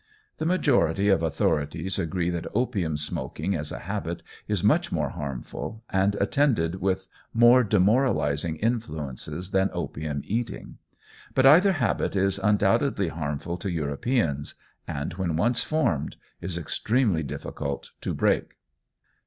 The majority of authorities agree that opium smoking as a habit is much more harmful and attended with more demoralizing influences than opium eating; but either habit is undoubtedly harmful to Europeans, and when once formed, is extremely difficult to break.